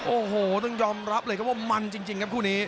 โอ้โหต้องยอมรับเลยครับว่ามันจริงครับคู่นี้